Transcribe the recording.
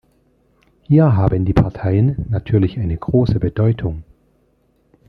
Hier haben die Parteien natürlich eine große Bedeutung.